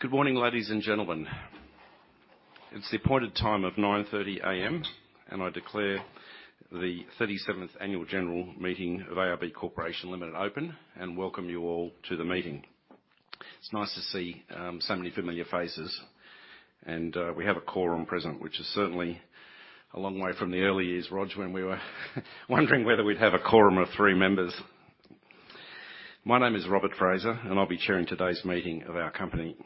Good morning, ladies and gentlemen. It's the appointed time of 9:30 A.M., and I declare the 37th Annual General Meeting of ARB Corporation Limited open, and welcome you all to the meeting. It's nice to see, so many familiar faces, and we have a quorum present, which is certainly a long way from the early years, Rog, when we were wondering whether we'd have a quorum of three members. My name is Robert Fraser, and I'll be chairing today's meeting of our company.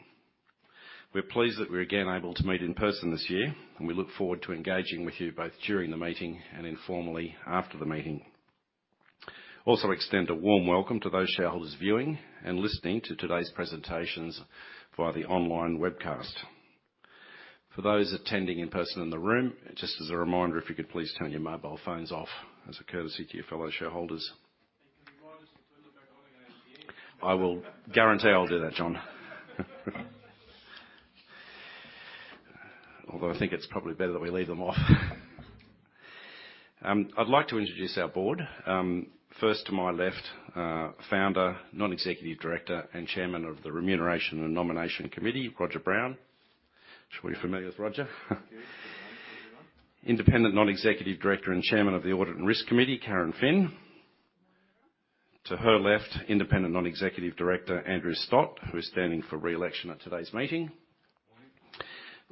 We're pleased that we're again able to meet in person this year, and we look forward to engaging with you both during the meeting and informally after the meeting. Also extend a warm welcome to those shareholders viewing and listening to today's presentations via the online webcast. For those attending in person in the room, just as a reminder, if you could please turn your mobile phones off as a courtesy to your fellow shareholders. Can you remind us to turn them back on again at the end? I will guarantee I'll do that, John. Although, I think it's probably better that we leave them off. I'd like to introduce our board. First, to my left, Founder, non-executive Director, and Chairman of the Remuneration and Nomination Committee, Roger Brown. I'm sure you're familiar with Roger. Thank you. Good morning, everyone. Independent non-executive Director and Chairman of the Audit and Risk Committee, Karen Phin. Good morning, Robert. To her left, independent non-executive Director, Andrew Stott, who is standing for re-election at today's meeting.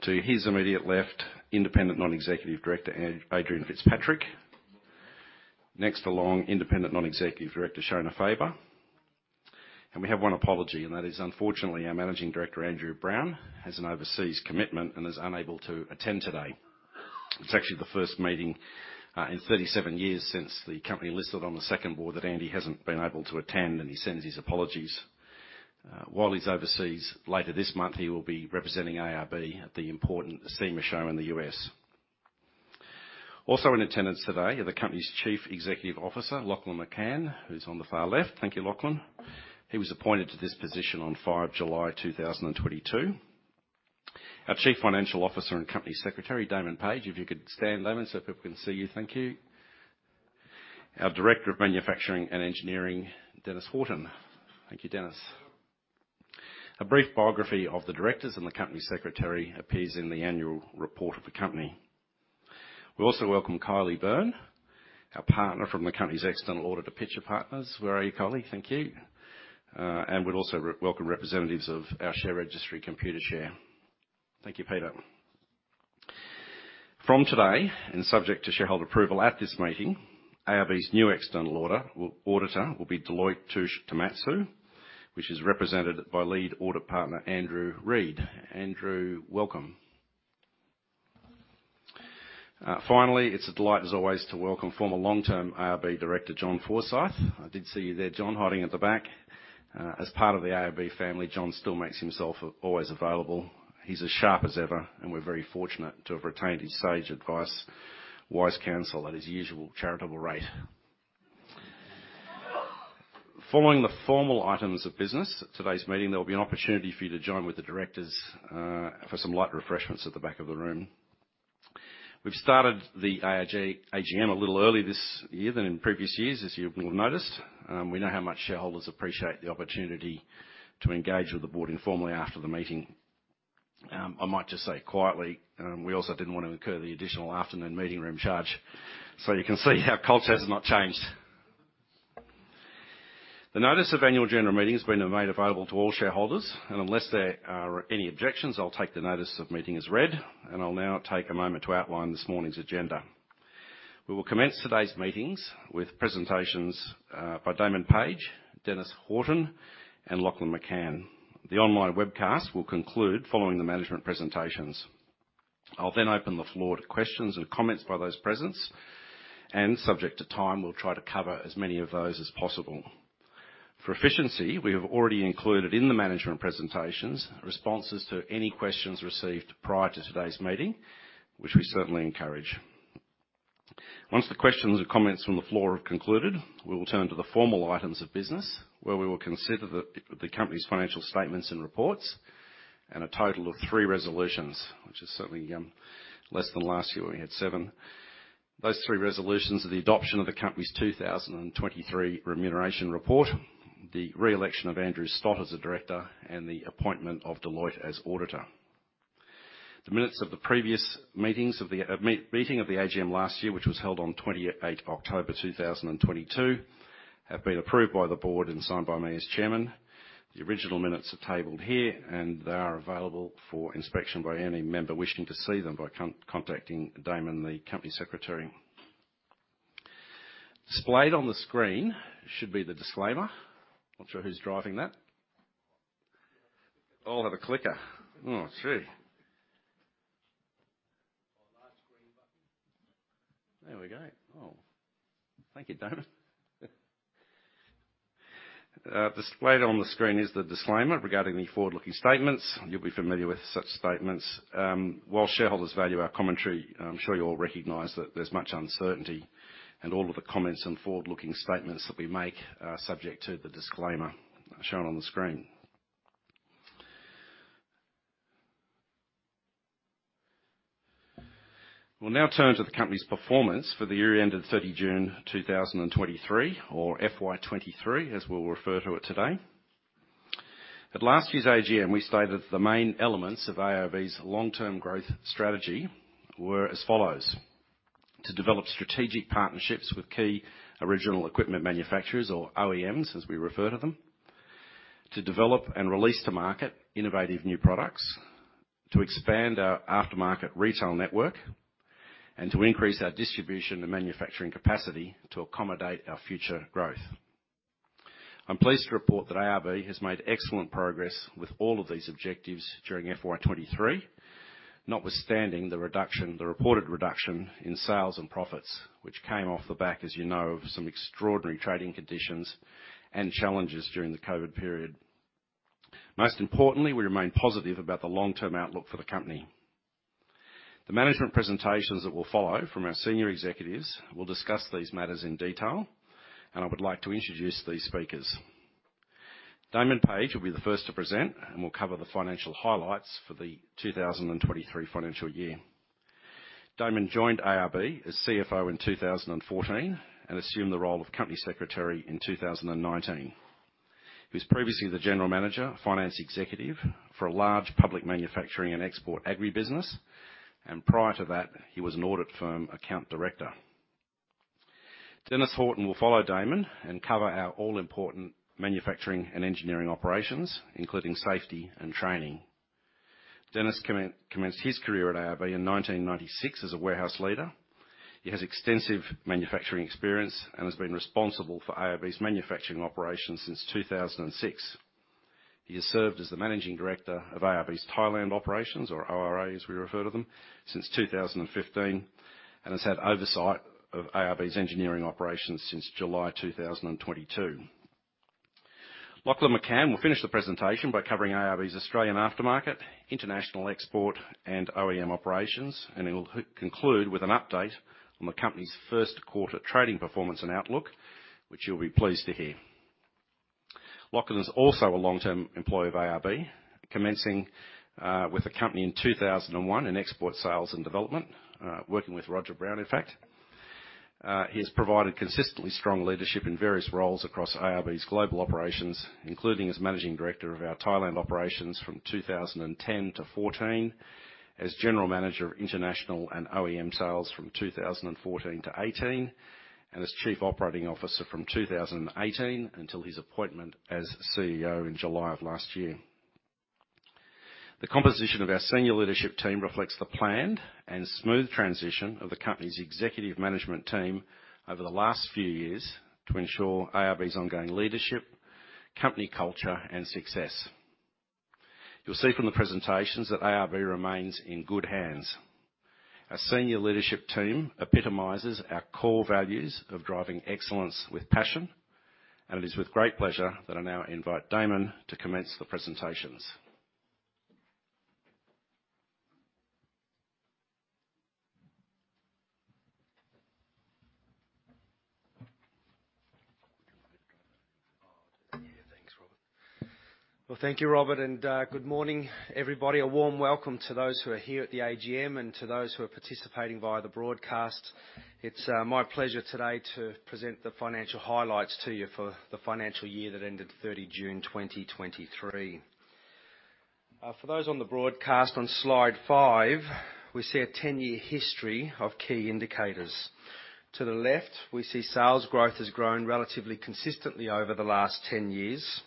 Morning. To his immediate left, Independent Non-Executive Director, Adrian Fitzpatrick. Next along, Independent Non-Executive Director, Shona Faber. And we have one apology, and that is, unfortunately, our Managing Director, Andrew Brown, has an overseas commitment and is unable to attend today. It's actually the first meeting in 37 years since the company listed on the second board that Andy hasn't been able to attend, and he sends his apologies. While he's overseas, later this month, he will be representing ARB at the important SEMA Show in the US. Also in attendance today are the company's Chief Executive Officer, Lachlan McCann, who's on the far left. Thank you, Lachlan. He was appointed to this position on 5 July 2022. Our Chief Financial Officer and Company Secretary, Damon Page. If you could stand, Damon, so people can see you. Thank you. Our Director of Manufacturing and Engineering, Dennis Horton. Thank you, Dennis. A brief biography of the directors and the company secretary appears in the annual report of the company. We also welcome Kylie Byrne, our Partner from the company's external auditor, Pitcher Partners. Where are you, Kylie? Thank you. And we'd also welcome representatives of our share registry, Computershare. Thank you, Peter. From today, and subject to shareholder approval at this meeting, ARB's new external auditor, auditor will be Deloitte Touche Tohmatsu, which is represented by Lead Audit Partner, Andrew Reid. Andrew, welcome. Finally, it's a delight, as always, to welcome former long-term ARB Director, John Forsyth. I did see you there, John, hiding at the back. As part of the ARB family, John still makes himself always available. He's as sharp as ever, and we're very fortunate to have retained his sage advice, wise counsel at his usual charitable rate. Following the formal items of business at today's meeting, there will be an opportunity for you to join with the directors for some light refreshments at the back of the room. We've started the AGM a little early this year than in previous years, as you will have noticed. We know how much shareholders appreciate the opportunity to engage with the board informally after the meeting. I might just say quietly, we also didn't want to incur the additional afternoon meeting room charge, so you can see our culture has not changed. The Notice of Annual General Meeting has been made available to all shareholders, and unless there are any objections, I'll take the notice of meeting as read, and I'll now take a moment to outline this morning's agenda. We will commence today's meetings with presentations by Damon Page, Dennis Horton, and Lachlan McCann. The online webcast will conclude following the management presentations. I'll then open the floor to questions and comments by those present, and subject to time, we'll try to cover as many of those as possible. For efficiency, we have already included in the management presentations responses to any questions received prior to today's meeting, which we certainly encourage. Once the questions and comments from the floor have concluded, we will turn to the formal items of business, where we will consider the company's financial statements and reports, and a total of three resolutions, which is certainly less than last year, we had seven. Those three resolutions are the adoption of the company's 2023 remuneration report, the re-election of Andrew Stott as a director, and the appointment of Deloitte as auditor. The minutes of the previous meeting of the AGM last year, which was held on 28th October 2022, have been approved by the board and signed by me as chairman. The original minutes are tabled here, and they are available for inspection by any member wishing to see them by contacting Damon, the company secretary. Displayed on the screen should be the disclaimer. Not sure who's driving that. I'll have a clicker. Oh, gee! Oh, large screen button. There we go. Oh, thank you, Damon. Displayed on the screen is the disclaimer regarding the forward-looking statements. You'll be familiar with such statements. While shareholders value our commentary, I'm sure you all recognize that there's much uncertainty, and all of the comments and forward-looking statements that we make are subject to the disclaimer shown on the screen.... We'll now turn to the company's performance for the year ended 30 June 2023, or FY 2023, as we'll refer to it today. At last year's AGM, we stated that the main elements of ARB's long-term growth strategy were as follows: To develop strategic partnerships with key original equipment manufacturers, or OEMs, as we refer to them. To develop and release to market innovative new products. To expand our aftermarket retail network, and to increase our distribution and manufacturing capacity to accommodate our future growth. I'm pleased to report that ARB has made excellent progress with all of these objectives during FY 2023, notwithstanding the reported reduction in sales and profits, which came off the back, as you know, of some extraordinary trading conditions and challenges during the COVID period. Most importantly, we remain positive about the long-term outlook for the company. The management presentations that will follow from our senior executives will discuss these matters in detail, and I would like to introduce these speakers. Damon Page will be the first to present, and will cover the financial highlights for the 2023 financial year. Damon joined ARB as CFO in 2014, and assumed the role of Company Secretary in 2019. He was previously the General Manager, Finance Executive for a large public manufacturing and export agri business, and prior to that, he was an audit firm Account Director. Dennis Horton will follow Damon and cover our all-important manufacturing and engineering operations, including safety and training. Dennis commenced his career at ARB in 1996 as a warehouse leader. He has extensive manufacturing experience and has been responsible for ARB's manufacturing operations since 2006. He has served as the Managing Director of ARB's Thailand operations, or ORA, as we refer to them, since 2015, and has had oversight of ARB's engineering operations since July 2022. Lachlan McCann will finish the presentation by covering ARB's Australian aftermarket, international export, and OEM operations, and he will conclude with an update on the company's first quarter trading performance and outlook, which you'll be pleased to hear. Lachlan is also a long-term employee of ARB, commencing with the company in 2001 in export sales and development, working with Roger Brown, in fact. He has provided consistently strong leadership in various roles across ARB's global operations, including as Managing Director of our Thailand operations from 2010 to 2014, as General Manager of International and OEM Sales from 2014 to 2018, and as Chief Operating Officer from 2018 until his appointment as CEO in July of last year. The composition of our senior leadership team reflects the planned and smooth transition of the company's executive management team over the last few years to ensure ARB's ongoing leadership, company culture, and success. You'll see from the presentations that ARB remains in good hands. Our senior leadership team epitomizes our core values of driving excellence with passion, and it is with great pleasure that I now invite Damon to commence the presentations. Yeah, thanks, Robert. Well, thank you, Robert, and good morning, everybody. A warm welcome to those who are here at the AGM and to those who are participating via the broadcast. It's my pleasure today to present the financial highlights to you for the financial year that ended 30 June 2023. For those on the broadcast, on Slide five, we see a 10-year history of key indicators. To the left, we see sales growth has grown relatively consistently over the last 10 years,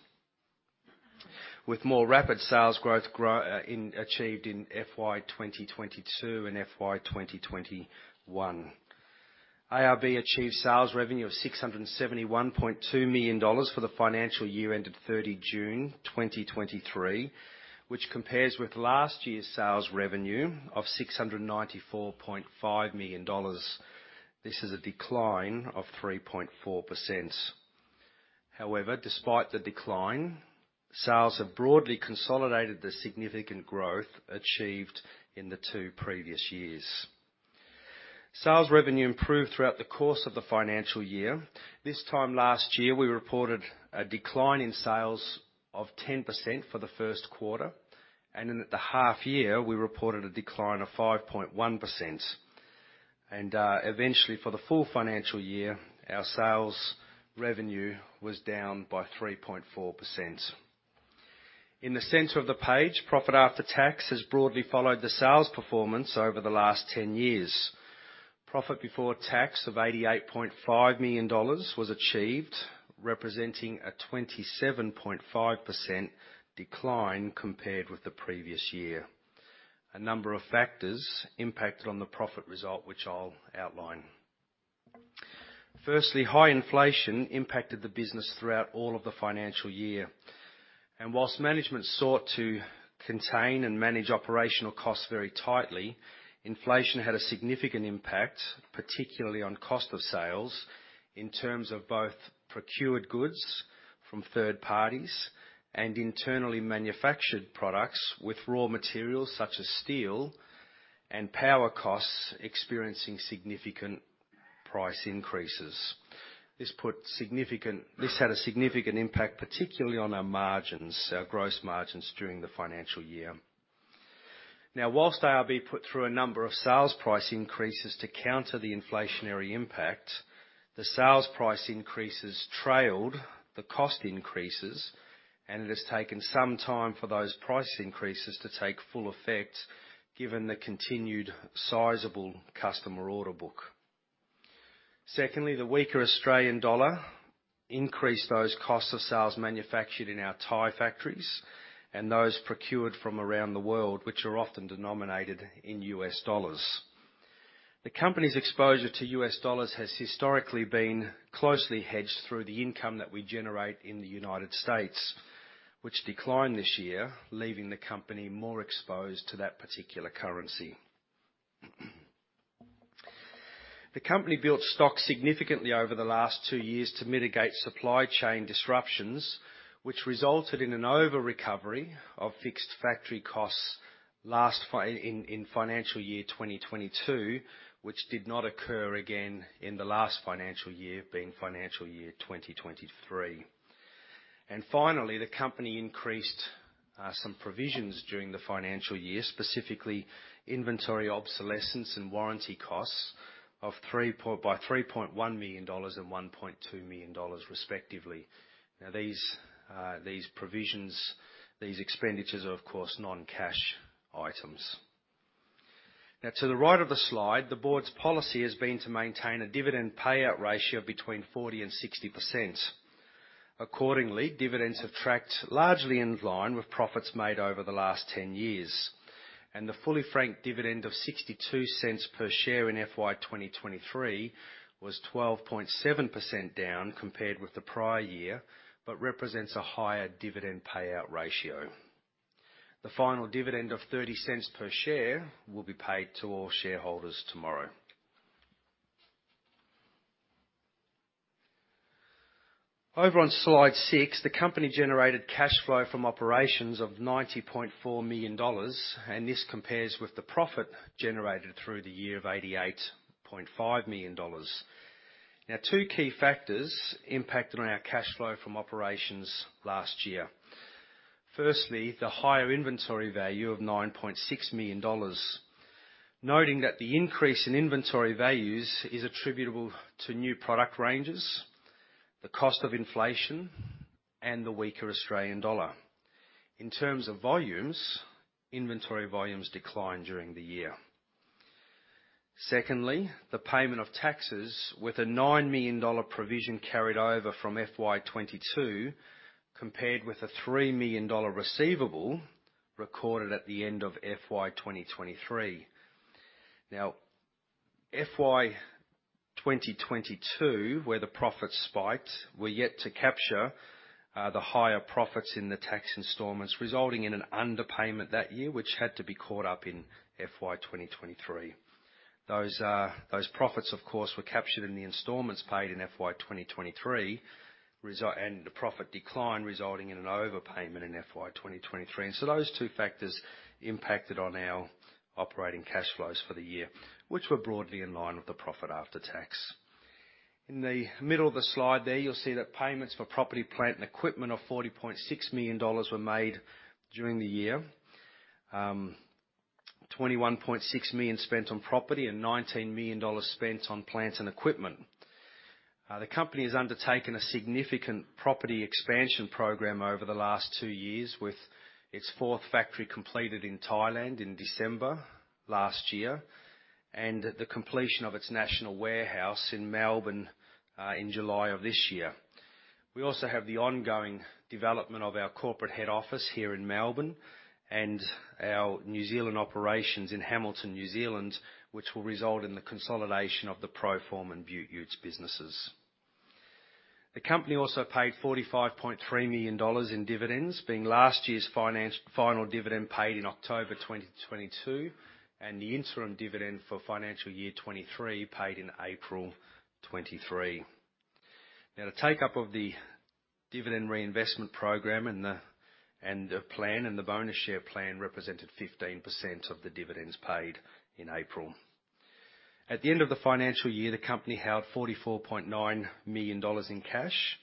with more rapid sales growth achieved in FY 2022 and FY 2021. ARB achieved sales revenue of 671.2 million dollars for the financial year ended 30 June 2023, which compares with last year's sales revenue of 694.5 million dollars. This is a decline of 3.4%. However, despite the decline, sales have broadly consolidated the significant growth achieved in the two previous years. Sales revenue improved throughout the course of the financial year. This time last year, we reported a decline in sales of 10% for the first quarter, and in the half year, we reported a decline of 5.1%. And eventually, for the full financial year, our sales revenue was down by 3.4%. In the center of the page, profit after tax has broadly followed the sales performance over the last 10 years. Profit before tax of 88.5 million dollars was achieved, representing a 27.5% decline compared with the previous year. A number of factors impacted on the profit result, which I'll outline. Firstly, high inflation impacted the business throughout all of the financial year, and while management sought to contain and manage operational costs very tightly, inflation had a significant impact, particularly on cost of sales, in terms of both procured goods from third parties and internally manufactured products, with raw materials such as steel and power costs experiencing significant price increases. This had a significant impact, particularly on our margins, our gross margins during the financial year. Now, while ARB put through a number of sales price increases to counter the inflationary impact, the sales price increases trailed the cost increases, and it has taken some time for those price increases to take full effect, given the continued sizable customer order book. Secondly, the weaker Australian dollar increased those costs of sales manufactured in our Thai factories and those procured from around the world, which are often denominated in U.S. dollars. The company's exposure to U.S. dollars has historically been closely hedged through the income that we generate in the United States, which declined this year, leaving the company more exposed to that particular currency. The company built stock significantly over the last two years to mitigate supply chain disruptions, which resulted in an over-recovery of fixed factory costs last financial year 2022, which did not occur again in the last financial year, being financial year 2023. And finally, the company increased some provisions during the financial year, specifically inventory obsolescence and warranty costs by 3.1 million dollars and 1.2 million dollars, respectively. Now, these, these provisions, these expenditures are, of course, non-cash items. Now, to the right of the slide, the board's policy has been to maintain a dividend payout ratio of between 40%-60%. Accordingly, dividends have tracked largely in line with profits made over the last 10 years, and the fully franked dividend of 0.62 per share in FY 2023 was 12.7% down compared with the prior year, but represents a higher dividend payout ratio. The final dividend of 0.30 per share will be paid to all shareholders tomorrow. Over on Slide 6, the company generated cash flow from operations of 90.4 million dollars, and this compares with the profit generated through the year of 88.5 million dollars. Now, two key factors impacted on our cash flow from operations last year. Firstly, the higher inventory value of 9.6 million dollars, noting that the increase in inventory values is attributable to new product ranges, the cost of inflation, and the weaker Australian dollar. In terms of volumes, inventory volumes declined during the year. Secondly, the payment of taxes with a 9 million dollar provision carried over from FY 2022, compared with a 3 million dollar receivable recorded at the end of FY 2023. Now, FY 2022, where the profits spiked, we're yet to capture the higher profits in the tax installments, resulting in an underpayment that year, which had to be caught up in FY 2023. Those, those profits, of course, were captured in the installments paid in FY 2023, and the profit declined, resulting in an overpayment in FY 2023. And so those two factors impacted on our operating cash flows for the year, which were broadly in line with the profit after tax. In the middle of the slide there, you'll see that payments for property, plant, and equipment of 40.6 million dollars were made during the year. 21.6 million spent on property and 19 million dollars spent on plants and equipment. The company has undertaken a significant property expansion program over the last two years, with its fourth factory completed in Thailand in December last year, and the completion of its national warehouse in Melbourne, in July of this year. We also have the ongoing development of our corporate head office here in Melbourne and our New Zealand operations in Hamilton, New Zealand, which will result in the consolidation of the Pro-Form and Beaut Utes businesses. The company also paid 45.3 million dollars in dividends, being last year's final dividend paid in October 2022, and the interim dividend for financial year 2023, paid in April 2023. Now, the take-up of the dividend reinvestment program and the bonus share plan represented 15% of the dividends paid in April. At the end of the financial year, the company held 44.9 million dollars in cash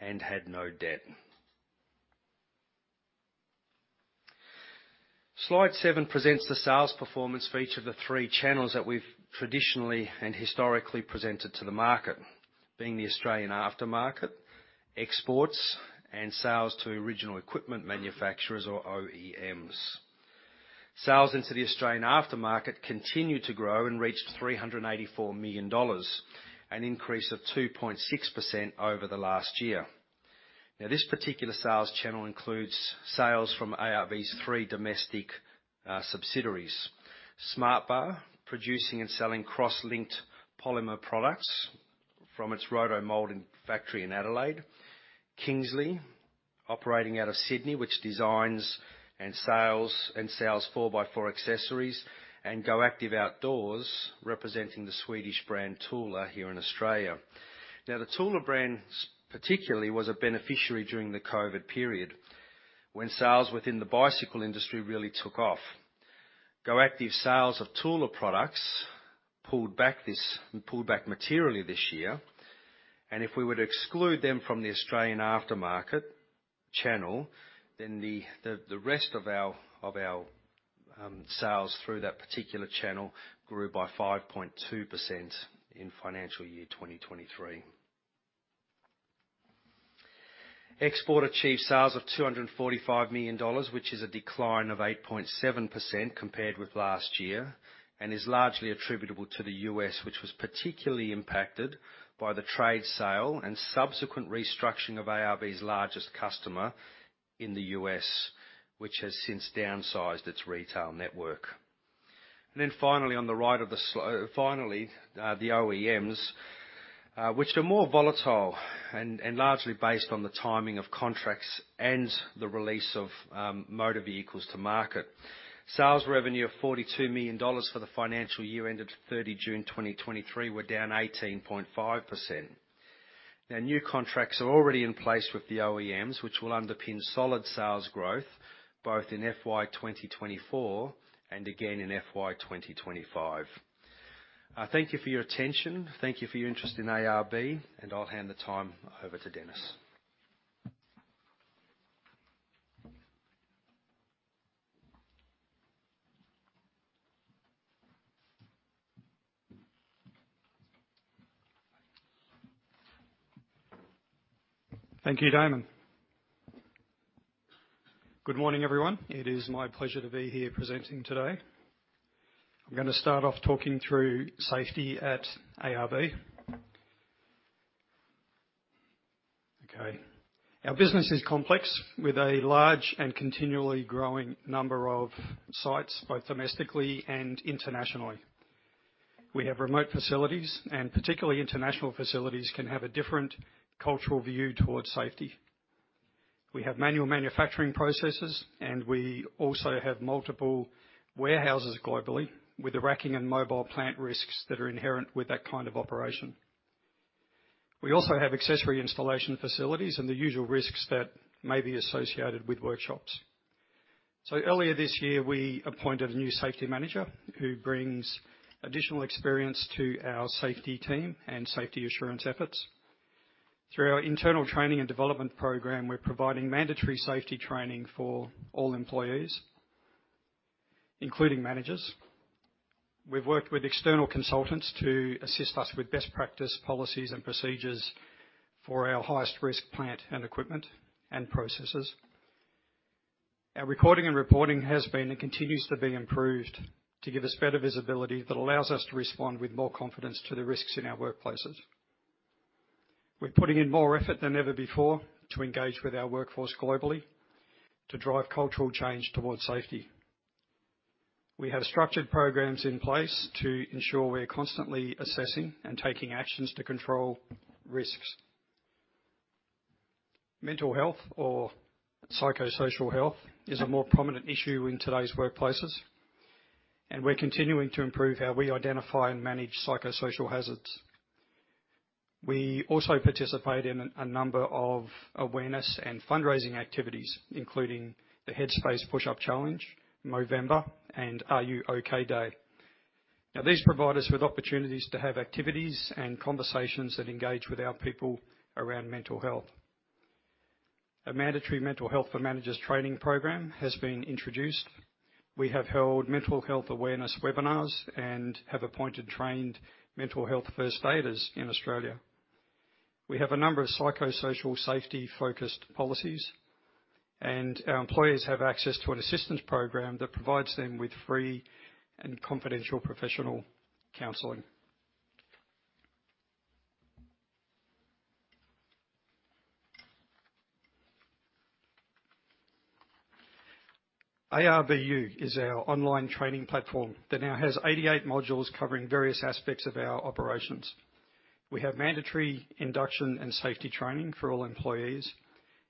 and had no debt. Slide seven presents the sales performance for each of the three channels that we've traditionally and historically presented to the market, being the Australian aftermarket, exports, and sales to original equipment manufacturers or OEMs. Sales into the Australian aftermarket continued to grow and reached 384 million dollars, an increase of 2.6% over the last year. Now, this particular sales channel includes sales from ARB's three domestic subsidiaries: SmartBar, producing and selling cross-linked polymer products from its roto-molding factory in Adelaide; Kingsley, operating out of Sydney, which designs and sells four-by-four accessories; and GoActive Outdoors, representing the Swedish brand Thule here in Australia. Now, the Thule brand, particularly, was a beneficiary during the COVID period, when sales within the bicycle industry really took off. GoActive sales of Thule products pulled back materially this year, and if we were to exclude them from the Australian aftermarket channel, then the rest of our sales through that particular channel grew by 5.2% in financial year 2023. Export achieved sales of 245 million dollars, which is a decline of 8.7% compared with last year, and is largely attributable to the US, which was particularly impacted by the trade sale and subsequent restructuring of ARB's largest customer in the US, which has since downsized its retail network. Then finally, on the right of the slide, finally, the OEMs, which are more volatile and largely based on the timing of contracts and the release of motor vehicles to market. Sales revenue of 42 million dollars for the financial year ended 30 June 2023 were down 18.5%. Now, new contracts are already in place with the OEMs, which will underpin solid sales growth both in FY 2024 and again in FY 2025. Thank you for your attention. Thank you for your interest in ARB, and I'll hand the time over to Dennis. Thank you, Damon. Good morning, everyone. It is my pleasure to be here presenting today. I'm gonna start off talking through safety at ARB. Okay, our business is complex, with a large and continually growing number of sites, both domestically and internationally. We have remote facilities, and particularly international facilities, can have a different cultural view towards safety. We have manual manufacturing processes, and we also have multiple warehouses globally, with the racking and mobile plant risks that are inherent with that kind of operation. We also have accessory installation facilities and the usual risks that may be associated with workshops. So earlier this year, we appointed a new safety manager who brings additional experience to our safety team and safety assurance efforts. Through our internal training and development program, we're providing mandatory safety training for all employees, including managers. We've worked with external consultants to assist us with best practice, policies, and procedures for our highest risk plant and equipment and processes. Our recording and reporting has been, and continues to be improved, to give us better visibility that allows us to respond with more confidence to the risks in our workplaces. We're putting in more effort than ever before to engage with our workforce globally, to drive cultural change towards safety. We have structured programs in place to ensure we're constantly assessing and taking actions to control risks. Mental health or psychosocial health is a more prominent issue in today's workplaces, and we're continuing to improve how we identify and manage psychosocial hazards. We also participate in a number of awareness and fundraising activities, including the headspace Push-Up Challenge, Movember, and R U OK? Day. Now, these provide us with opportunities to have activities and conversations that engage with our people around mental health. A mandatory Mental Health for Managers training program has been introduced. We have held mental health awareness webinars and have appointed trained mental health first aiders in Australia. We have a number of psychosocial safety-focused policies, and our employees have access to an assistance program that provides them with free and confidential professional counseling. ARB University is our online training platform that now has 88 modules covering various aspects of our operations. We have mandatory induction and safety training for all employees,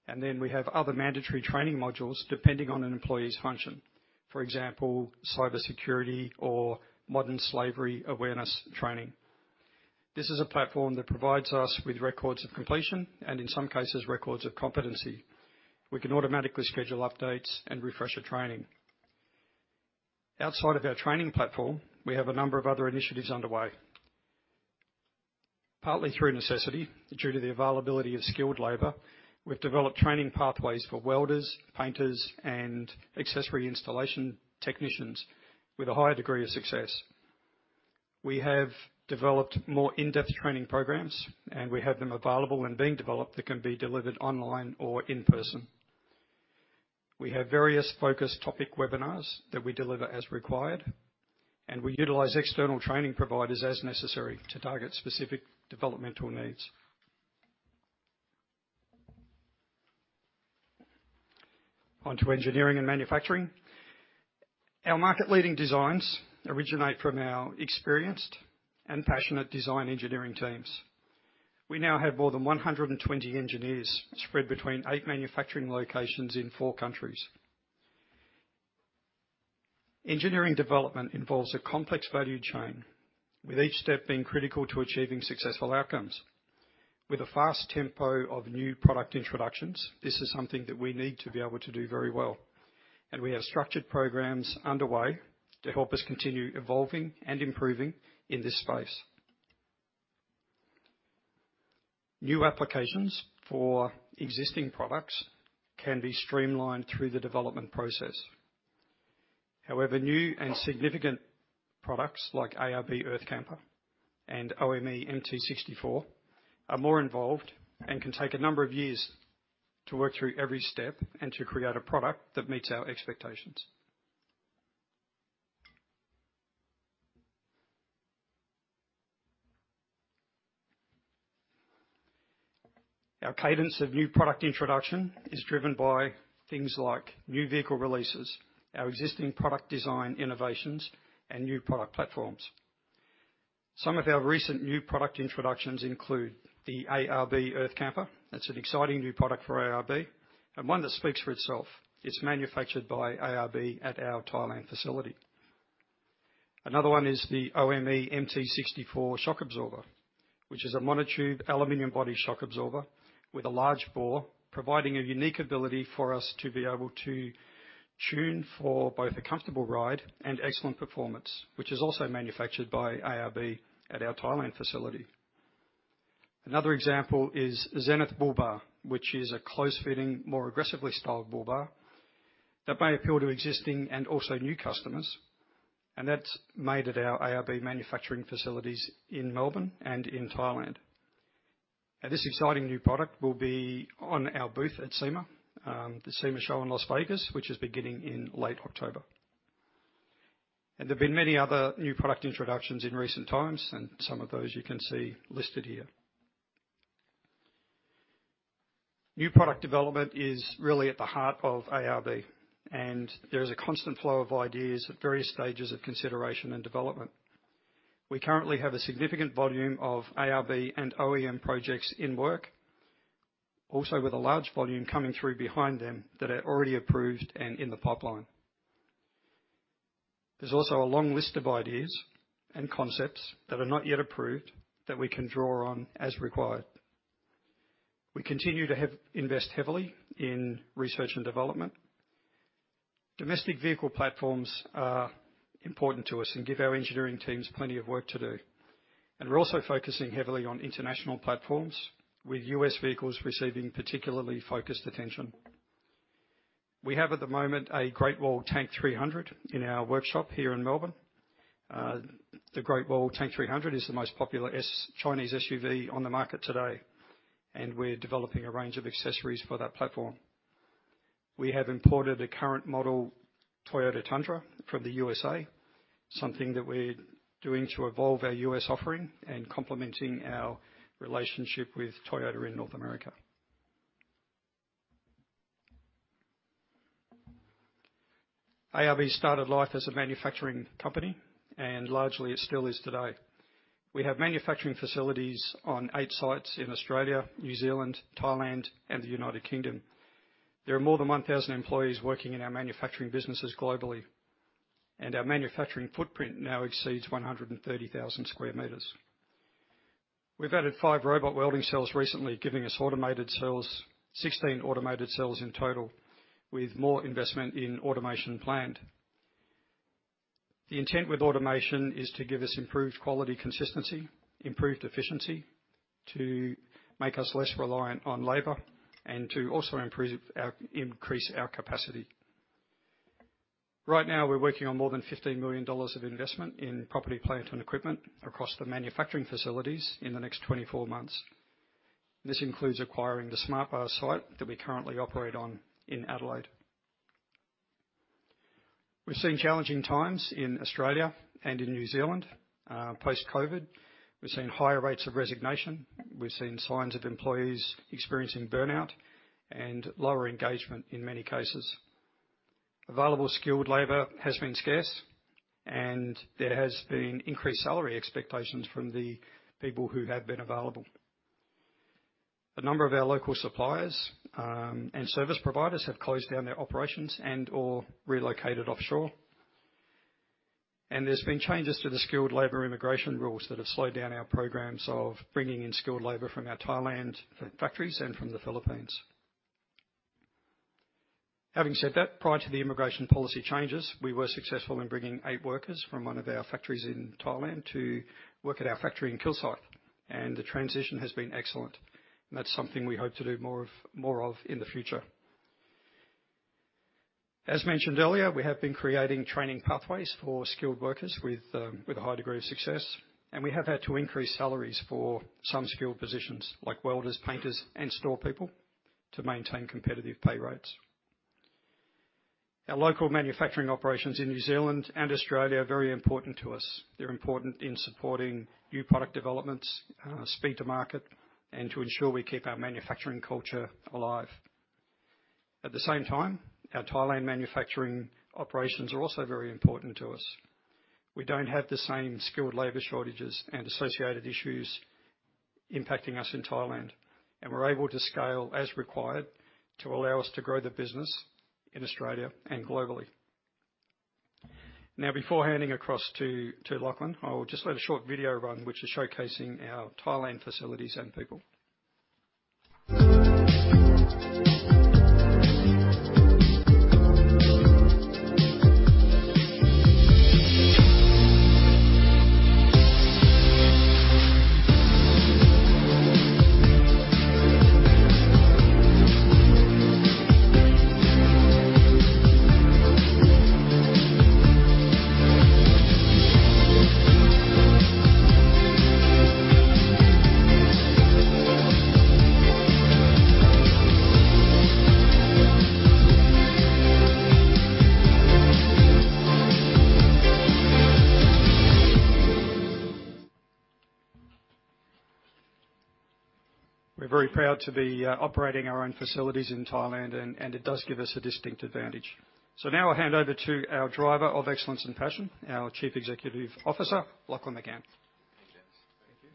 and then we have other mandatory training modules depending on an employee's function. For example, cybersecurity or modern slavery awareness training. This is a platform that provides us with records of completion, and in some cases, records of competency. We can automatically schedule updates and refresher training. Outside of our training platform, we have a number of other initiatives underway. Partly through necessity, due to the availability of skilled labor, we've developed training pathways for welders, painters, and accessory installation technicians with a high degree of success. We have developed more in-depth training programs, and we have them available and being developed that can be delivered online or in person. We have various focused topic webinars that we deliver as required, and we utilize external training providers as necessary to target specific developmental needs. On to engineering and manufacturing. Our market-leading designs originate from our experienced and passionate design engineering teams. We now have more than 120 engineers spread between eight manufacturing locations in four countries.... Engineering development involves a complex value chain, with each step being critical to achieving successful outcomes. With a fast tempo of new product introductions, this is something that we need to be able to do very well, and we have structured programs underway to help us continue evolving and improving in this space. New applications for existing products can be streamlined through the development process. However, new and significant products like ARB Earth Camper and OME MT64 are more involved and can take a number of years to work through every step and to create a product that meets our expectations. Our cadence of new product introduction is driven by things like new vehicle releases, our existing product design innovations, and new product platforms. Some of our recent new product introductions include the ARB Earth Camper. That's an exciting new product for ARB and one that speaks for itself. It's manufactured by ARB at our Thailand facility. Another one is the OME MT64 shock absorber, which is a monotube aluminum body shock absorber with a large bore, providing a unique ability for us to be able to tune for both a comfortable ride and excellent performance, which is also manufactured by ARB at our Thailand facility. Another example is Zenith Bull Bar, which is a close-fitting, more aggressively styled bull bar that may appeal to existing and also new customers, and that's made at our ARB manufacturing facilities in Melbourne and in Thailand. And this exciting new product will be on our booth at SEMA, the SEMA Show in Las Vegas, which is beginning in late October. And there have been many other new product introductions in recent times, and some of those you can see listed here. New product development is really at the heart of ARB, and there is a constant flow of ideas at various stages of consideration and development. We currently have a significant volume of ARB and OEM projects in work, also with a large volume coming through behind them that are already approved and in the pipeline. There's also a long list of ideas and concepts that are not yet approved that we can draw on as required. We continue to invest heavily in research and development. Domestic vehicle platforms are important to us and give our engineering teams plenty of work to do. We're also focusing heavily on international platforms, with U.S. vehicles receiving particularly focused attention. We have, at the moment, a Great Wall Tank 300 in our workshop here in Melbourne. The Great Wall Tank 300 is the most popular Chinese SUV on the market today, and we're developing a range of accessories for that platform. We have imported a current model, Toyota Tundra, from the USA, something that we're doing to evolve our U.S. offering and complementing our relationship with Toyota in North America. ARB started life as a manufacturing company, and largely it still is today. We have manufacturing facilities on eight sites in Australia, New Zealand, Thailand, and the United Kingdom. There are more than 1,000 employees working in our manufacturing businesses globally, and our manufacturing footprint now exceeds 130,000 square meters. We've added five robot welding cells recently, giving us automated cells, 16 automated cells in total, with more investment in automation planned. The intent with automation is to give us improved quality consistency, improved efficiency, to make us less reliant on labor, and to also increase our capacity. Right now, we're working on more than 15 million dollars of investment in property, plant, and equipment across the manufacturing facilities in the next 24 months. This includes acquiring the SmartBar site that we currently operate on in Adelaide. We've seen challenging times in Australia and in New Zealand post-COVID. We've seen higher rates of resignation. We've seen signs of employees experiencing burnout and lower engagement in many cases. Available skilled labor has been scarce, and there has been increased salary expectations from the people who have been available. A number of our local suppliers and service providers have closed down their operations and/or relocated offshore. There's been changes to the skilled labor immigration rules that have slowed down our programs of bringing in skilled labor from our Thailand factories and from the Philippines. Having said that, prior to the immigration policy changes, we were successful in bringing eight workers from one of our factories in Thailand to work at our factory in Kilsyth, and the transition has been excellent, and that's something we hope to do more of, more of in the future. As mentioned earlier, we have been creating training pathways for skilled workers with a high degree of success, and we have had to increase salaries for some skilled positions, like welders, painters, and store people, to maintain competitive pay rates. Our local manufacturing operations in New Zealand and Australia are very important to us. They're important in supporting new product developments, speed to market, and to ensure we keep our manufacturing culture alive. At the same time, our Thailand manufacturing operations are also very important to us. We don't have the same skilled labor shortages and associated issues impacting us in Thailand, and we're able to scale as required to allow us to grow the business in Australia and globally. Now, before handing across to Lachlan, I will just let a short video run, which is showcasing our Thailand facilities and people. We're very proud to be operating our own facilities in Thailand, and it does give us a distinct advantage. So now I'll hand over to our driver of excellence and passion, our Chief Executive Officer, Lachlan McCann. Thank you.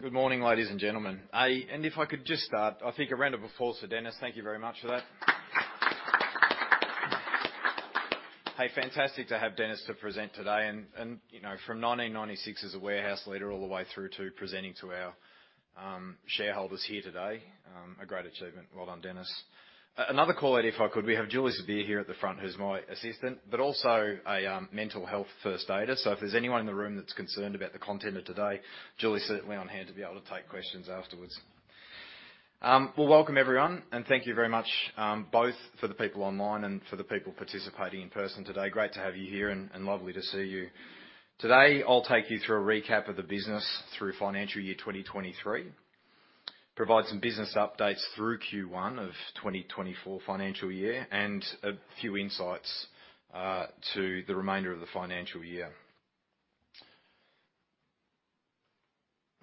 Good morning, ladies and gentlemen. If I could just start, I think a round of applause for Dennis. Thank you very much for that. Hey, fantastic to have Dennis to present today and, you know, from 1996 as a warehouse leader, all the way through to presenting to our shareholders here today, a great achievement. Well done, Dennis. Another call out, if I could. We have Julie Sebire here at the front, who's my assistant, but also a mental health first aider. So if there's anyone in the room that's concerned about the content of today, Julie is certainly on hand to be able to take questions afterwards. Well, welcome everyone, and thank you very much, both for the people online and for the people participating in person today. Great to have you here and, and lovely to see you. Today, I'll take you through a recap of the business through financial year 2023, provide some business updates through Q1 of 2024 financial year, and a few insights to the remainder of the financial year.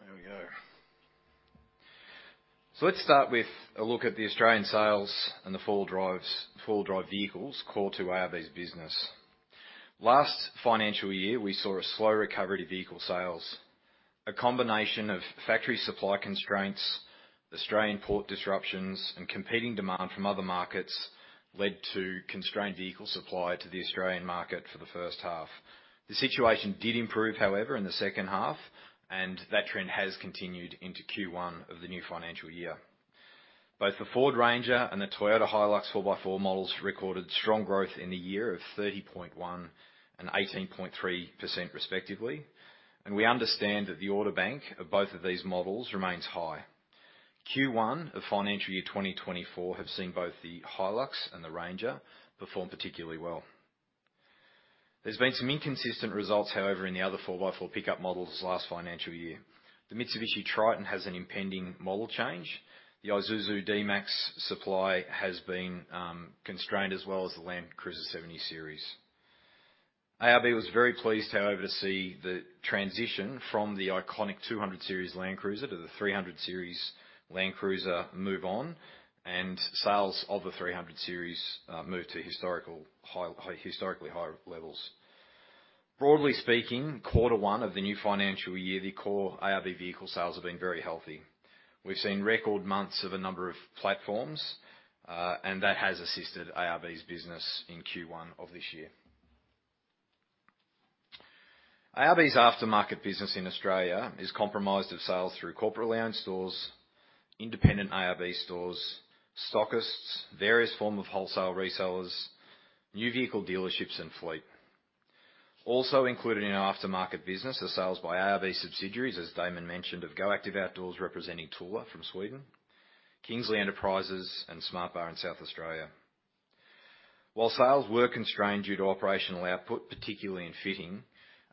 There we go. So let's start with a look at the Australian sales and the four drives, four-drive vehicles, core to ARB's business. Last financial year, we saw a slow recovery to vehicle sales. A combination of factory supply constraints, Australian port disruptions, and competing demand from other markets led to constrained vehicle supply to the Australian market for the first half. The situation did improve, however, in the second half, and that trend has continued into Q1 of the new financial year. Both the Ford Ranger and the Toyota Hilux four-by-four models recorded strong growth in the year of 30.1% and 18.3% respectively, and we understand that the order bank of both of these models remains high. Q1 of financial year 2024 have seen both the Hilux and the Ranger perform particularly well. There's been some inconsistent results, however, in the other four-by-four pickup models last financial year. The Mitsubishi Triton has an impending model change. The Isuzu D-Max supply has been constrained, as well as the Land Cruiser 70 Series. ARB was very pleased, however, to see the transition from the iconic 200 Series Land Cruiser to the 300 Series Land Cruiser move on, and sales of the 300 Series move to historical high, historically higher levels. Broadly speaking, quarter one of the new financial year, the core ARB vehicle sales have been very healthy. We've seen record months of a number of platforms, and that has assisted ARB's business in Q1 of this year. ARB's aftermarket business in Australia is comprised of sales through corporate-owned stores, independent ARB stores, stockists, various forms of wholesale resellers, new vehicle dealerships, and fleet. Also included in our aftermarket business are sales by ARB subsidiaries, as Damon mentioned, of GoActive Outdoors, representing Thule from Sweden, Kingsley Enterprises, and SmartBar in South Australia. While sales were constrained due to operational output, particularly in fitting,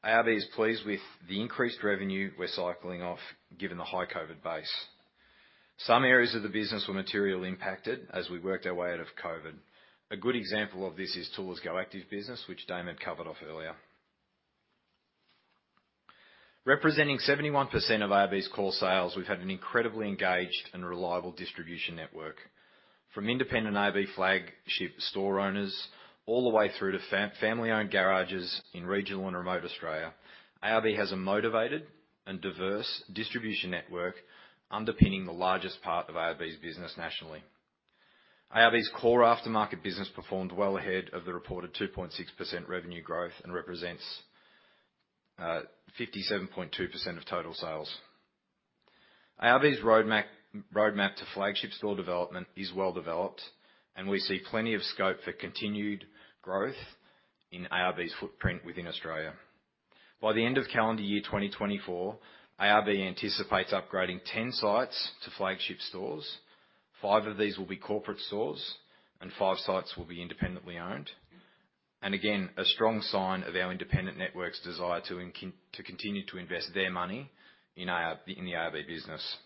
ARB is pleased with the increased revenue we're cycling off, given the high COVID base. Some areas of the business were materially impacted as we worked our way out of COVID. A good example of this is Thule's GoActive business, which Damon covered off earlier. Representing 71% of ARB's core sales, we've had an incredibly engaged and reliable distribution network. From independent ARB flagship store owners, all the way through to family-owned garages in regional and remote Australia, ARB has a motivated and diverse distribution network underpinning the largest part of ARB's business nationally. ARB's core aftermarket business performed well ahead of the reported 2.6% revenue growth and represents, fifty-seven point two percent of total sales. ARB's roadmap to flagship store development is well developed, and we see plenty of scope for continued growth in ARB's footprint within Australia. By the end of calendar year 2024, ARB anticipates upgrading 10 sites to flagship stores. Five of these will be corporate stores, and five sites will be independently owned. Again, a strong sign of our independent network's desire to continue to invest their money in ARB, in the ARB business.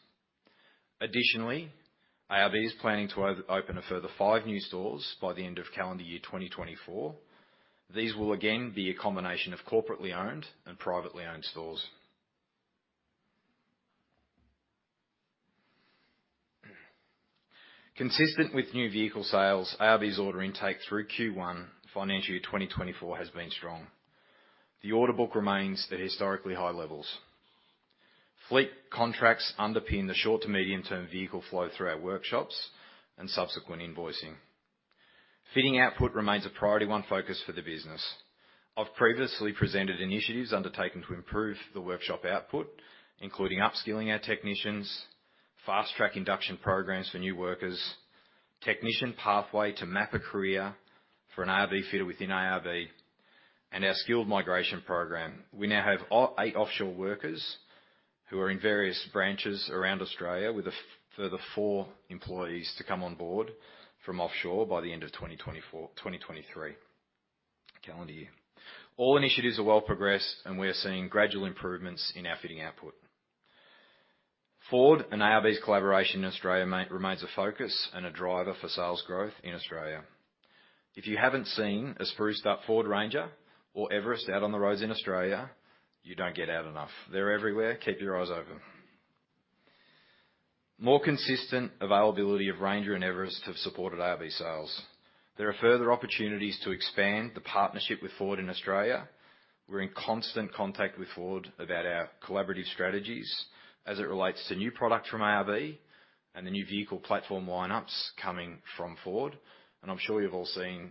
Additionally, ARB is planning to open a further five new stores by the end of calendar year 2024. These will again be a combination of corporately owned and privately owned stores.... Consistent with new vehicle sales, ARB's order intake through Q1, financial year 2024 has been strong. The order book remains at historically high levels. Fleet contracts underpin the short to medium-term vehicle flow through our workshops and subsequent invoicing. Fitting output remains a priority one focus for the business. I've previously presented initiatives undertaken to improve the workshop output, including upskilling our technicians, fast-track induction programs for new workers, technician pathway to map a career for an ARB fitter within ARB, and our skilled migration program. We now have eight offshore workers who are in various branches around Australia, with a further four employees to come on board from offshore by the end of 2023 calendar year. All initiatives are well progressed, and we are seeing gradual improvements in our fitting output. Ford and ARB's collaboration in Australia remains a focus and a driver for sales growth in Australia. If you haven't seen a spruced-up Ford Ranger or Everest out on the roads in Australia, you don't get out enough. They're everywhere. Keep your eyes open. More consistent availability of Ranger and Everest have supported ARB sales. There are further opportunities to expand the partnership with Ford in Australia. We're in constant contact with Ford about our collaborative strategies as it relates to new products from ARB and the new vehicle platform lineups coming from Ford. I'm sure you've all seen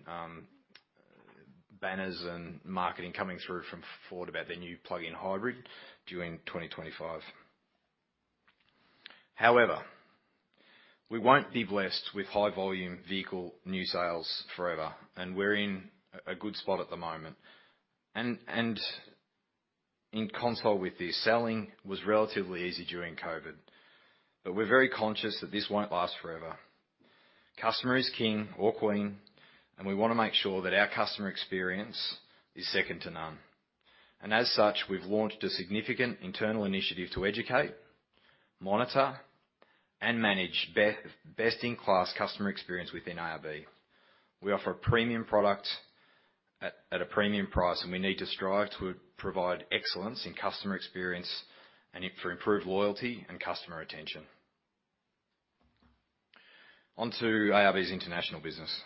banners and marketing coming through from Ford about their new plug-in hybrid during 2025. However, we won't be blessed with high-volume vehicle new sales forever, and we're in a good spot at the moment. In conjunction with this, selling was relatively easy during COVID, but we're very conscious that this won't last forever. Customer is king or queen, and we wanna make sure that our customer experience is second to none. As such, we've launched a significant internal initiative to educate, monitor, and manage best-in-class customer experience within ARB. We offer a premium product at a premium price, and we need to strive to provide excellence in customer experience for improved loyalty and customer retention. On to ARB's international business.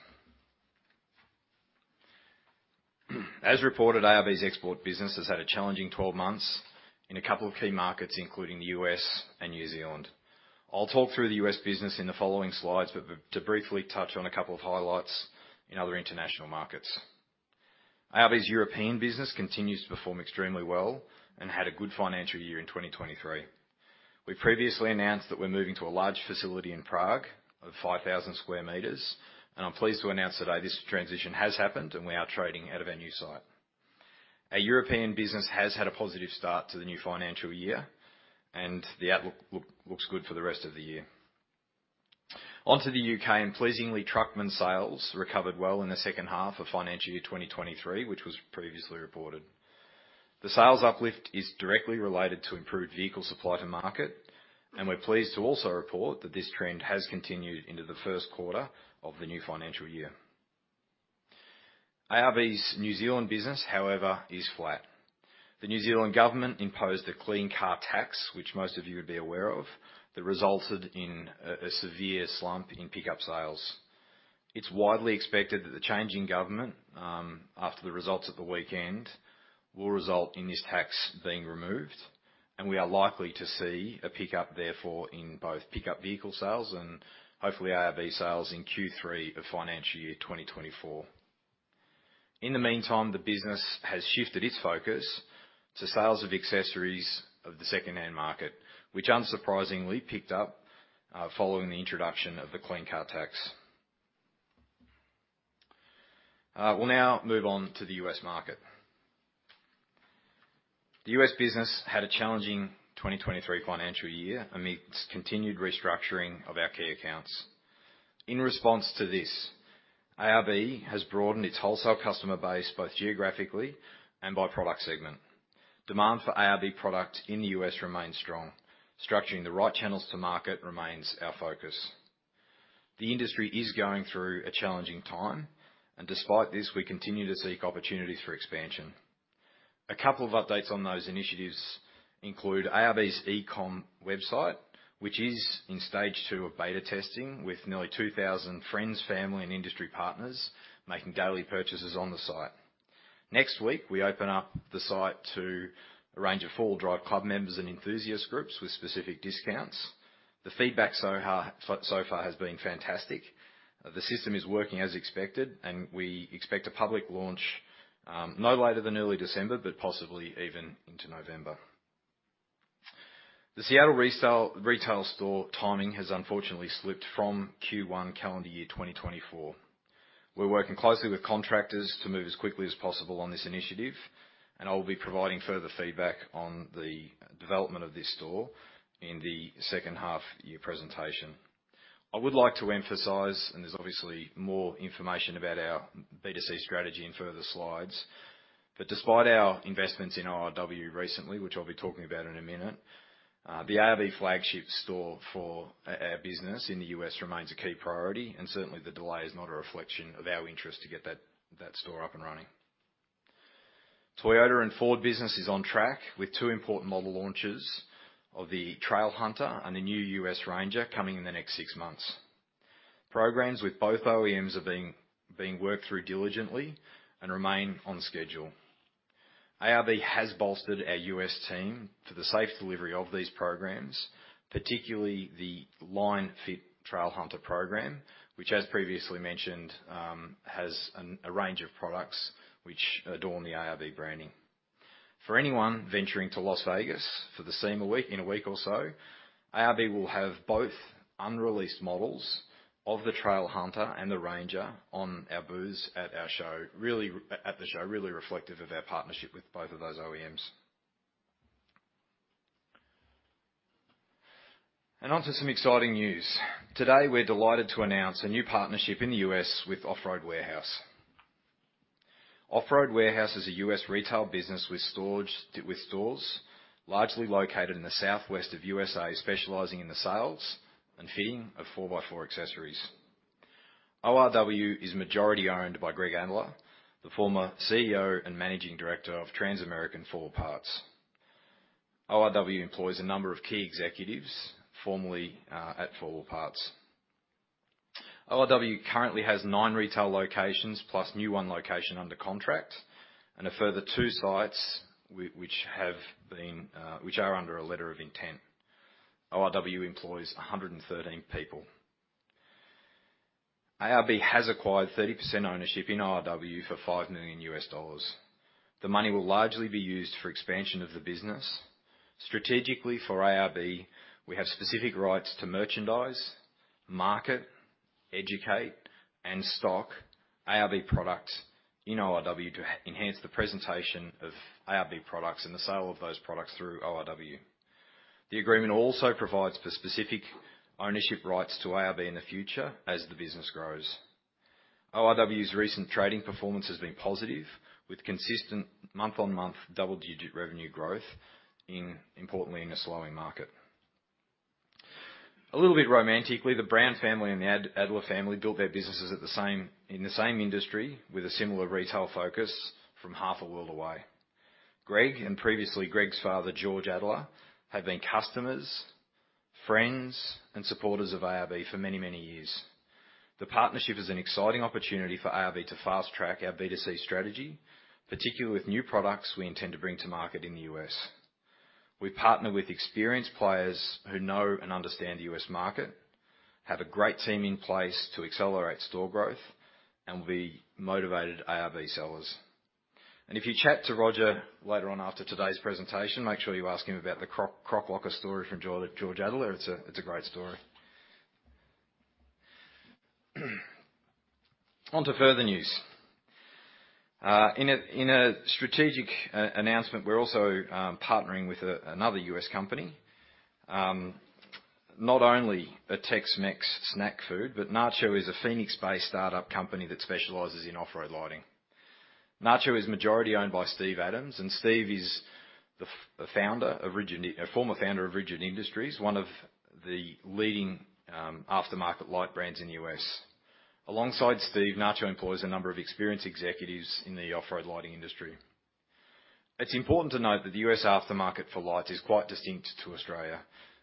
As reported, ARB's export business has had a challenging 12 months in a couple of key markets, including the U.S. and New Zealand. I'll talk through the U.S. business in the following slides, but to briefly touch on a couple of highlights in other international markets. ARB's European business continues to perform extremely well and had a good financial year in 2023. We previously announced that we're moving to a large facility in Prague of 5,000 square meters, and I'm pleased to announce today this transition has happened, and we are trading out of our new site. Our European business has had a positive start to the new financial year, and the outlook looks good for the rest of the year. On to the UK, and pleasingly, Truckman sales recovered well in the second half of financial year 2023, which was previously reported. The sales uplift is directly related to improved vehicle supply to market, and we're pleased to also report that this trend has continued into the first quarter of the new financial year. ARB's New Zealand business, however, is flat. The New Zealand government imposed a clean car tax, which most of you would be aware of, that resulted in a severe slump in pickup sales. It's widely expected that the change in government after the results of the weekend will result in this tax being removed, and we are likely to see a pickup, therefore, in both pickup vehicle sales and hopefully ARB sales in Q3 of financial year 2024. In the meantime, the business has shifted its focus to sales of accessories of the secondhand market, which unsurprisingly picked up following the introduction of the clean car tax. We'll now move on to the U.S. market. The U.S. business had a challenging 2023 financial year amidst continued restructuring of our key accounts. In response to this, ARB has broadened its wholesale customer base, both geographically and by product segment. Demand for ARB product in the U.S. remains strong. Structuring the right channels to market remains our focus. The industry is going through a challenging time, and despite this, we continue to seek opportunities for expansion. A couple of updates on those initiatives include ARB's e-com website, which is in stage two of beta testing, with nearly 2,000 friends, family, and industry partners making daily purchases on the site. Next week, we open up the site to a range of four-wheel drive club members and enthusiast groups with specific discounts. The feedback so far has been fantastic. The system is working as expected, and we expect a public launch no later than early December, but possibly even into November. The Seattle retail store timing has unfortunately slipped from Q1 calendar year 2024. We're working closely with contractors to move as quickly as possible on this initiative, and I will be providing further feedback on the development of this store in the second half year presentation. I would like to emphasize, and there's obviously more information about our B2C strategy in further slides, but despite our investments in ORW recently, which I'll be talking about in a minute, the ARB flagship store for our, our business in the U.S. remains a key priority, and certainly, the delay is not a reflection of our interest to get that, that store up and running. Toyota and Ford business is on track with two important model launches of the Trailhunter and the new U.S. Ranger coming in the next six months. Programs with both OEMs are being worked through diligently and remain on schedule. ARB has bolstered our U.S. team for the safe delivery of these programs, particularly the line fit Trailhunter program, which, as previously mentioned, has a range of products which adorn the ARB branding. For anyone venturing to Las Vegas for the SEMA week in a week or so, ARB will have both unreleased models of the Trailhunter and the Ranger on our booth at the show, really reflective of our partnership with both of those OEMs. On to some exciting news. Today, we're delighted to announce a new partnership in the U.S. with Off Road Warehouse. Offroad Warehouse is a U.S. retail business with stores largely located in the southwest of the U.S.A., specializing in the sales and fitting of four-by-four accessories. ORW is majority-owned by Greg Adler, the former CEO and managing director of Transamerican, 4 Wheel Parts. ORW employs a number of key executives, formerly at 4 Wheel Parts. ORW currently has nine retail locations, plus new one location under contract, and a further two sites which are under a letter of intent. ORW employs 113 people. ARB has acquired 30% ownership in ORW for $5 million. The money will largely be used for expansion of the business. Strategically for ARB, we have specific rights to merchandise, market, educate, and stock ARB products in ORW to enhance the presentation of ARB products and the sale of those products through ORW. The agreement also provides for specific ownership rights to ARB in the future as the business grows. ORW's recent trading performance has been positive, with consistent month-on-month double-digit revenue growth, importantly, in a slowing market. A little bit romantically, the Brown family and the Adler family built their businesses at the same time in the same industry with a similar retail focus from half a world away. Greg, and previously Greg's father, George Adler, have been customers, friends, and supporters of ARB for many, many years. The partnership is an exciting opportunity for ARB to fast-track our B2C strategy, particularly with new products we intend to bring to market in the US. We partner with experienced players who know and understand the U.S. market, have a great team in place to accelerate store growth, and will be motivated ARB sellers. If you chat to Roger later on after today's presentation, make sure you ask him about the Air Locker story from George Adler. It's a great story. On to further news. In a strategic announcement, we're also partnering with another U.S. company. Not only a Tex-Mex snack food, but Nacho is a Phoenix-based startup company that specializes in off-road lighting. Nacho is majority-owned by Steve Adams, and Steve is the former founder of Rigid Industries, one of the leading aftermarket light brands in the US. Alongside Steve, Nacho employs a number of experienced executives in the off-road lighting industry. It's important to note that the U.S. aftermarket for light is quite distinct to Australia.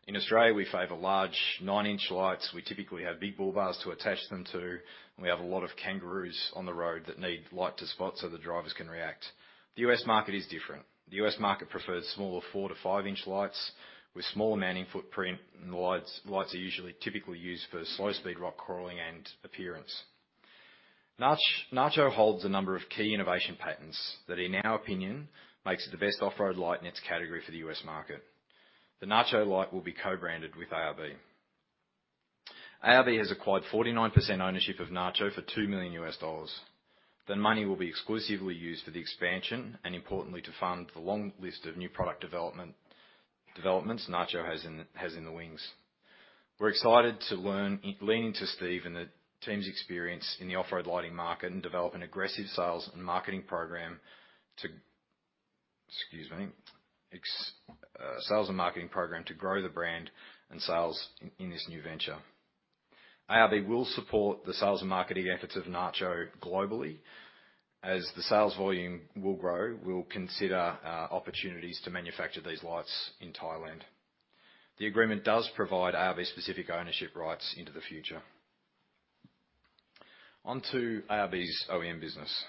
In Australia, we favor large 9-inch lights. We typically have big bull bars to attach them to, and we have a lot of kangaroos on the road that need light to spot, so the drivers can react. The U.S. market is different. The U.S. market prefers smaller 4- to 5-inch lights with smaller mounting footprint, and the lights are usually typically used for slow-speed rock crawling and appearance. Nacho holds a number of key innovation patents that, in our opinion, makes it the best off-road light in its category for the U.S. market. The Nacho light will be co-branded with ARB. ARB has acquired 49% ownership of Nacho for $2 million. The money will be exclusively used for the expansion and importantly, to fund the long list of new product developments Nacho has in the wings. We're excited to learn, lean into Steve and the team's experience in the off-road lighting market and develop an aggressive sales and marketing program to... Excuse me. Sales and marketing program to grow the brand and sales in this new venture. ARB will support the sales and marketing efforts of Nacho globally. As the sales volume will grow, we'll consider opportunities to manufacture these lights in Thailand. The agreement does provide ARB specific ownership rights into the future. On to ARB's OEM business.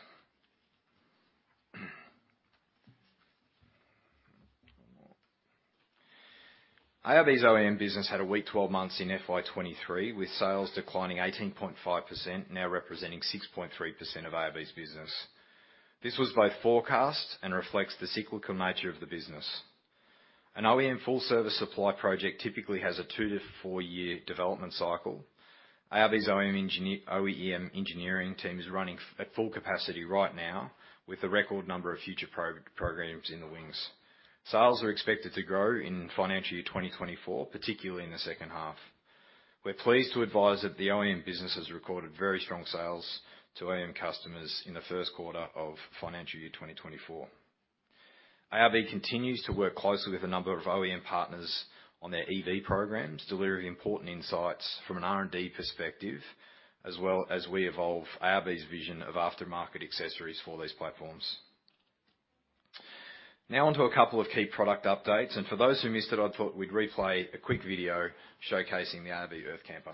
ARB's OEM business had a weak 12 months in FY 2023, with sales declining 18.5%, now representing 6.3% of ARB's business. This was both forecast and reflects the cyclical nature of the business. An OEM full-service supply project typically has a 2 year-4 year development cycle. ARB's OEM engineering team is running at full capacity right now, with a record number of future programs in the wings. Sales are expected to grow in financial year 2024, particularly in the second half. We're pleased to advise that the OEM business has recorded very strong sales to OEM customers in the first quarter of financial year 2024. ARB continues to work closely with a number of OEM partners on their EV programs, delivering important insights from an R&D perspective, as well as we evolve ARB's vision of aftermarket accessories for these platforms. Now on to a couple of key product updates, and for those who missed it, I thought we'd replay a quick video showcasing the ARB Earth Camper.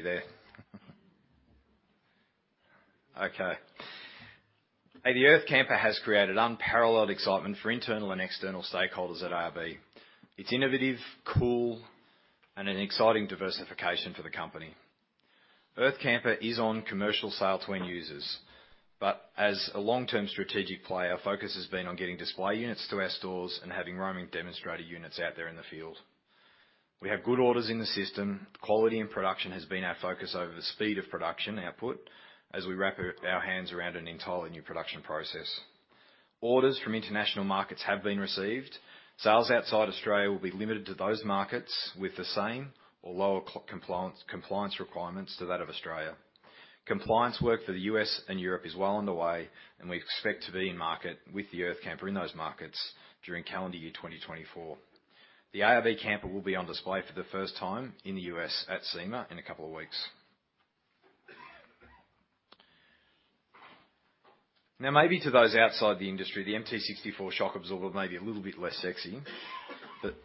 Wouldn't you love to be there? Okay. The Earth Camper has created unparalleled excitement for internal and external stakeholders at ARB. It's innovative, cool, and an exciting diversification for the company. Earth Camper is on commercial sale to end users, but as a long-term strategic player, focus has been on getting display units to our stores and having roaming demonstrator units out there in the field. We have good orders in the system. Quality and production has been our focus over the speed of production output as we wrap our hands around an entirely new production process. Orders from international markets have been received. Sales outside Australia will be limited to those markets with the same or lower compliance requirements to that of Australia. Compliance work for the U.S. and Europe is well underway, and we expect to be in market with the Earth Camper in those markets during calendar year 2024. The ARB camper will be on display for the first time in the U.S. at SEMA in a couple of weeks. Now, maybe to those outside the industry, the MT64 shock absorber may be a little bit less sexy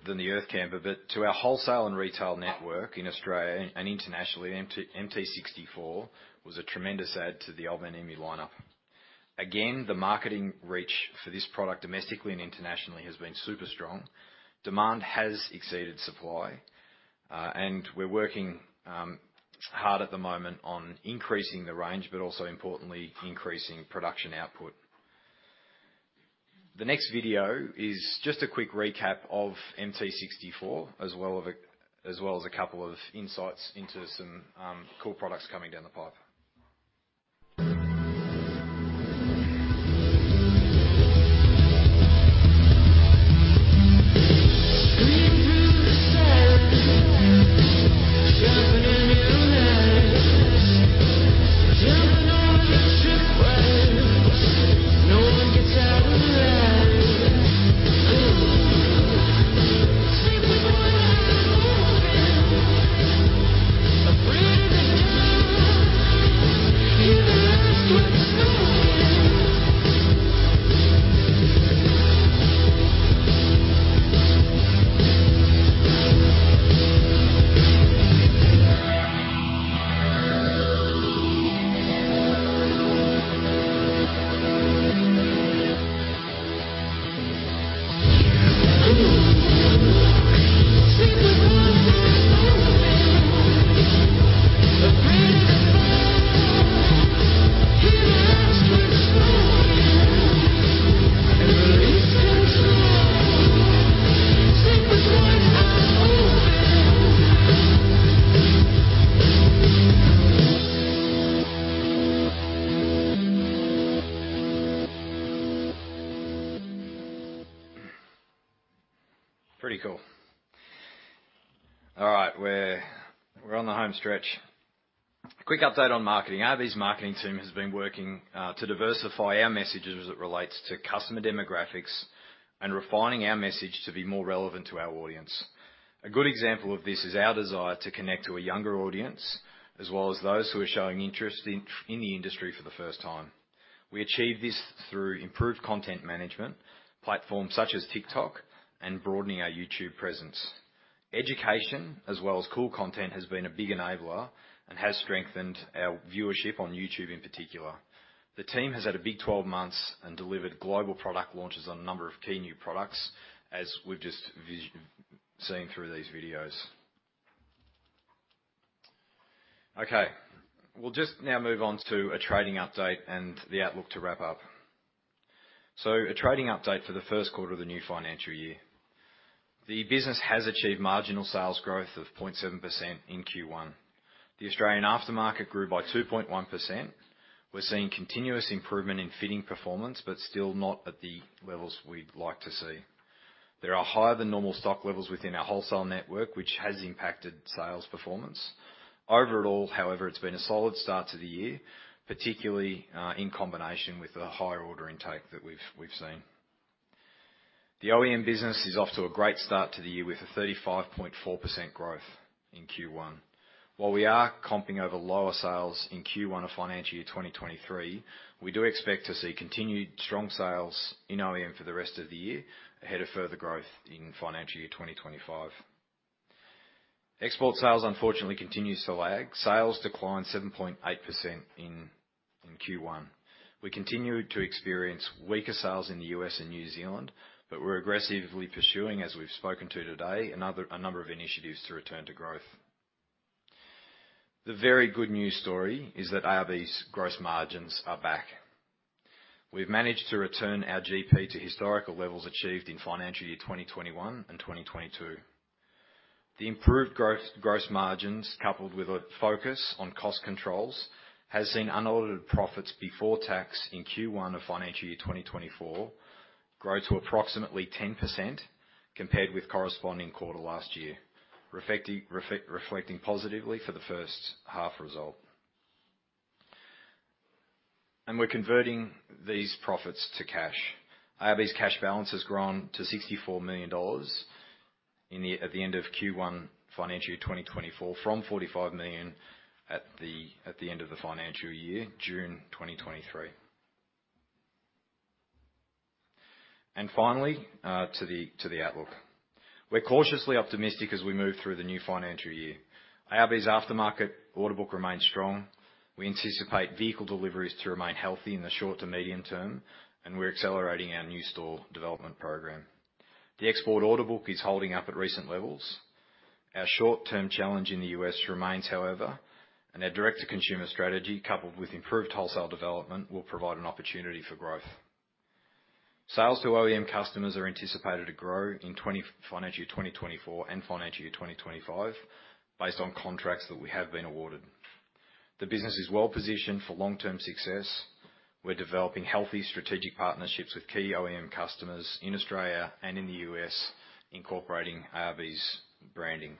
than the Earth Camper, but to our wholesale and retail network in Australia and internationally, MT64 was a tremendous add to the Old Man Emu lineup. Again, the marketing reach for this product, domestically and internationally, has been super strong. Demand has exceeded supply, and we're working hard at the moment on increasing the range, but also importantly, increasing production output. The next video is just a quick recap of MT64, as well as a couple of insights into some cool products coming down the pipe. Screaming through the silence. Jumping in the night. Jumping on a trip wire. No one gets out alive. Ooh, sleep with one eye open. Orion will fall, hear the last word spoken. Ooh, sleep with one eye open. Orion will fall, hear the last word spoken. And the east has fallen, sleep with one eye open. Pretty cool. All right, we're, we're on the home stretch. Quick update on marketing. ARB's marketing team has been working to diversify our message as it relates to customer demographics and refining our message to be more relevant to our audience. A good example of this is our desire to connect to a younger audience, as well as those who are showing interest in the industry for the first time. We achieve this through improved content management, platforms such as TikTok, and broadening our YouTube presence. Education, as well as cool content, has been a big enabler and has strengthened our viewership on YouTube in particular. The team has had a big twelve months and delivered global product launches on a number of key new products, as we've just seen through these videos. Okay, we'll just now move on to a trading update and the outlook to wrap up. So a trading update for the first quarter of the new financial year. The business has achieved marginal sales growth of 0.7% in Q1. The Australian aftermarket grew by 2.1%. We're seeing continuous improvement in fitting performance, but still not at the levels we'd like to see. There are higher-than-normal stock levels within our wholesale network, which has impacted sales performance. Overall, however, it's been a solid start to the year, particularly in combination with the higher order intake that we've seen. The OEM business is off to a great start to the year, with a 35.4% growth in Q1. While we are comping over lower sales in Q1 of financial year 2023, we do expect to see continued strong sales in OEM for the rest of the year, ahead of further growth in financial year 2025.... Export sales, unfortunately, continues to lag. Sales declined 7.8% in Q1. We continued to experience weaker sales in the U.S. and New Zealand, but we're aggressively pursuing, as we've spoken to today, a number of initiatives to return to growth. The very good news story is that ARB's gross margins are back. We've managed to return our GP to historical levels achieved in financial year 2021 and 2022. The improved growth, gross margins, coupled with a focus on cost controls, has seen unaudited profits before tax in Q1 of financial year 2024 grow to approximately 10% compared with corresponding quarter last year. Reflecting positively for the first half result. We're converting these profits to cash. ARB's cash balance has grown to 64 million dollars at the end of Q1, financial year 2024, from 45 million at the end of the financial year, June 2023. And finally, to the outlook. We're cautiously optimistic as we move through the new financial year. ARB's aftermarket order book remains strong. We anticipate vehicle deliveries to remain healthy in the short to medium term, and we're accelerating our new store development program. The export order book is holding up at recent levels. Our short-term challenge in the U.S. remains, however, and our direct-to-consumer strategy, coupled with improved wholesale development, will provide an opportunity for growth. Sales to OEM customers are anticipated to grow in financial year 2024 and financial year 2025, based on contracts that we have been awarded. The business is well-positioned for long-term success. We're developing healthy strategic partnerships with key OEM customers in Australia and in the U.S., incorporating ARB's branding.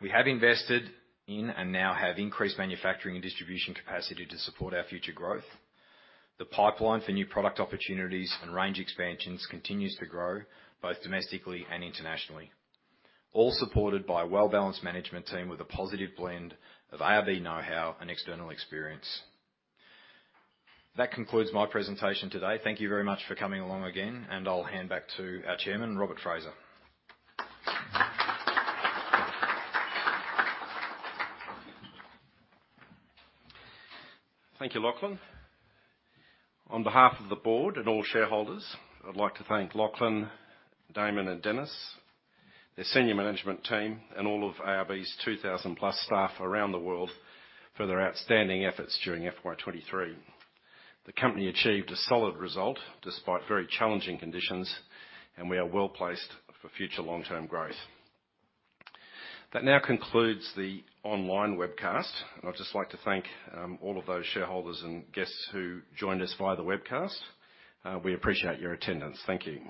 We have invested in and now have increased manufacturing and distribution capacity to support our future growth. The pipeline for new product opportunities and range expansions continues to grow, both domestically and internationally. All supported by a well-balanced management team with a positive blend of ARB know-how and external experience. That concludes my presentation today. Thank you very much for coming along again, and I'll hand back to our Chairman, Robert Fraser. Thank you, Lachlan. On behalf of the board and all shareholders, I'd like to thank Lachlan, Damon, and Dennis, the senior management team, and all of ARB's 2,000+ staff around the world for their outstanding efforts during FY 2023. The company achieved a solid result despite very challenging conditions, and we are well-placed for future long-term growth. That now concludes the online webcast, and I'd just like to thank all of those shareholders and guests who joined us via the webcast. We appreciate your attendance. Thank you.